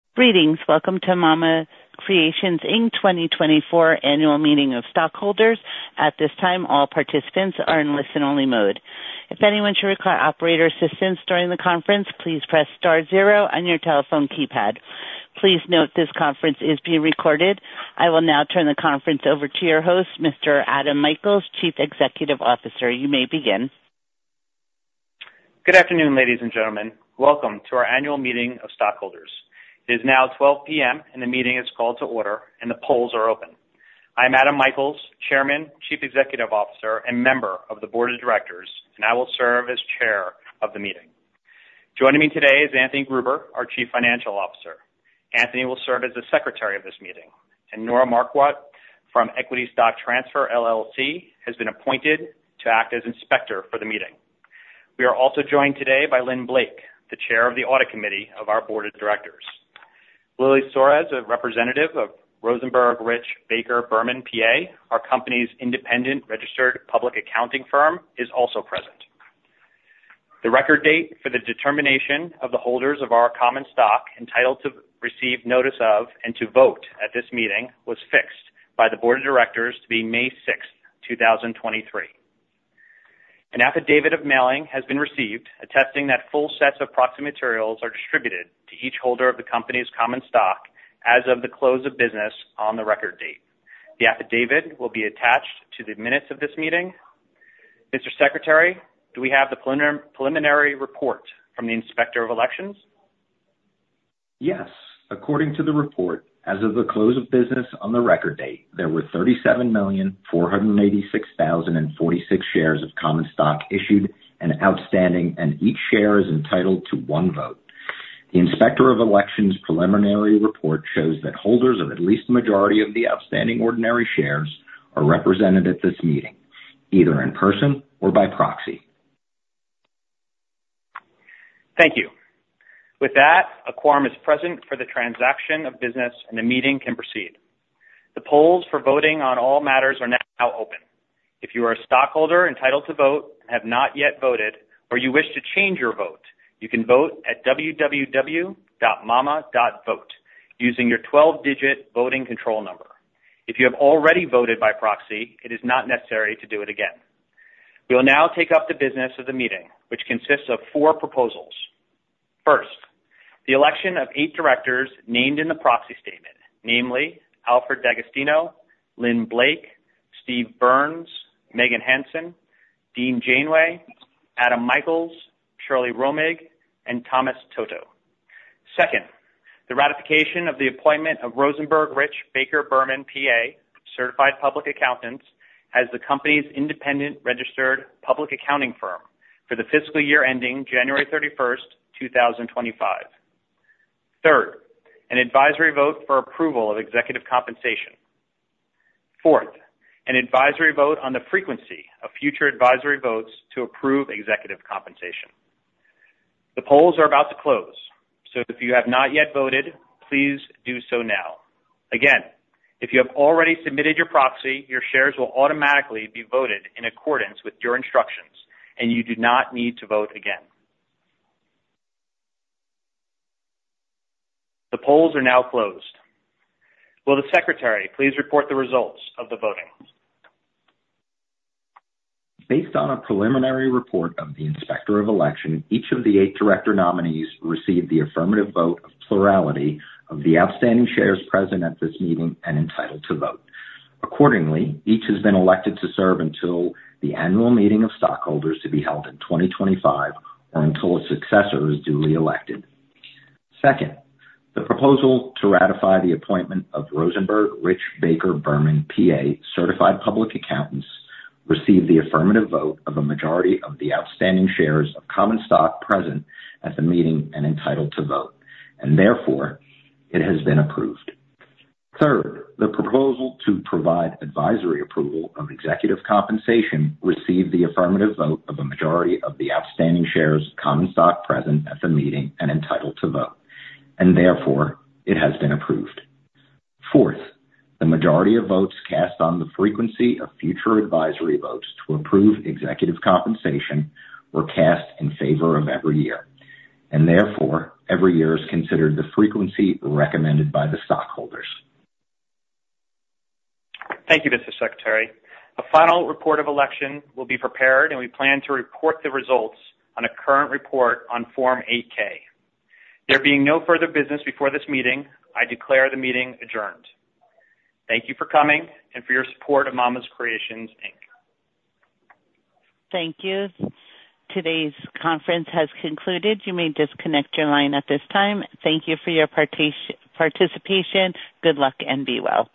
Greetings. Welcome to Mama’s Creations Inc., 2024 Annual Meeting of Stockholders. At this time, all participants are in listen-only mode. If anyone should require operator assistance during the conference, please press star zero on your telephone keypad. Please note this conference is being recorded. I will now turn the conference over to your host, Mr. Adam Michaels, Chief Executive Officer. You may begin. Good afternoon, ladies and gentlemen. Welcome to our annual meeting of stockholders. It is now 12:00 P.M., and the meeting is called to order, and the polls are open. I'm Adam Michaels, Chairman, Chief Executive Officer, and member of the Board of Directors, and I will serve as chair of the meeting. Joining me today is Anthony Gruber, our Chief Financial Officer. Anthony will serve as the secretary of this meeting, and Nora Marckwordt from Equity Stock Transfer, LLC, has been appointed to act as inspector for the meeting. We are also joined today by Lynn Blake, the Chair of the Audit Committee of our Board of Directors. Lily Soares, a representative of Rosenberg Rich Baker Berman, P.A., our company's independent registered public accounting firm, is also present. The record date for the determination of the holders of our common stock, entitled to receive notice of and to vote at this meeting, was fixed by the board of directors to be May 6, 2023. An affidavit of mailing has been received, attesting that full sets of proxy materials are distributed to each holder of the company's common stock as of the close of business on the record date. The affidavit will be attached to the minutes of this meeting. Mr. Secretary, do we have the preliminary report from the Inspector of Elections? Yes. According to the report, as of the close of business on the record date, there were 37,486,046 shares of common stock issued and outstanding, and each share is entitled to one vote. The Inspector of Elections' preliminary report shows that holders of at least a majority of the outstanding ordinary shares are represented at this meeting, either in person or by proxy. Thank you. With that, a quorum is present for the transaction of business, and the meeting can proceed. The polls for voting on all matters are now open. If you are a stockholder entitled to vote and have not yet voted, or you wish to change your vote, you can vote at www.mama.vote using your 12-digit voting control number. If you have already voted by proxy, it is not necessary to do it again. We will now take up the business of the meeting, which consists of four proposals. First, the election of eight directors named in the proxy statement, namely Alfred D'Agostino, Lynn Blake, Steve Burns, Meghan Henson, Dean Janeway, Adam Michaels, Shirley Romig, and Thomas Toto. Second, the ratification of the appointment of Rosenberg Rich Baker Berman, P.A., Certified Public Accountants, as the company's independent registered public accounting firm for the fiscal year ending January 31st, 2025. Third, an advisory vote for approval of executive compensation. Fourth, an advisory vote on the frequency of future advisory votes to approve executive compensation. The polls are about to close, so if you have not yet voted, please do so now. Again, if you have already submitted your proxy, your shares will automatically be voted in accordance with your instructions, and you do not need to vote again. The polls are now closed. Will the secretary please report the results of the voting? Based on a preliminary report of the Inspector of Election, each of the eight director nominees received the affirmative vote of plurality of the outstanding shares present at this meeting and entitled to vote. Accordingly, each has been elected to serve until the annual meeting of stockholders to be held in 2025 or until a successor is duly elected. Second, the proposal to ratify the appointment of Rosenberg Rich Baker Berman, P.A., Certified Public Accountants, received the affirmative vote of a majority of the outstanding shares of common stock present at the meeting and entitled to vote, and therefore, it has been approved. Third, the proposal to provide advisory approval of executive compensation received the affirmative vote of a majority of the outstanding shares of common stock present at the meeting and entitled to vote, and therefore, it has been approved. Fourth, the majority of votes cast on the frequency of future advisory votes to approve executive compensation were cast in favor of every year, and therefore, every year is considered the frequency recommended by the stockholders. Thank you, Mr. Secretary. A final report of election will be prepared, and we plan to report the results on a current report on Form 8-K. There being no further business before this meeting, I declare the meeting adjourned. Thank you for coming and for your support of Mama’s Creations, Inc. Thank you. Today's conference has concluded. You may disconnect your line at this time. Thank you for your participation. Good luck, and be well.